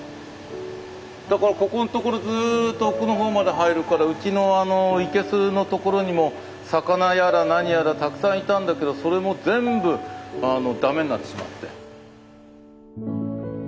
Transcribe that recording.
だからここんところずっと奥の方まで入るからうちの生けすのところにも魚やら何やらたくさんいたんだけどそれも全部駄目になってしまって。